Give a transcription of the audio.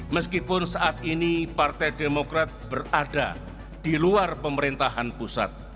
meskipun saat ini partai demokrat berada diluar pemerintahan pusat